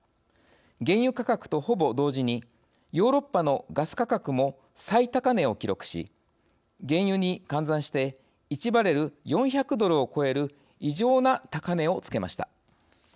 原油価格とほぼ同時にヨーロッパのガス価格も最高値を記録し原油に換算して１バレル４００ドルを超える異常な高値をつけました。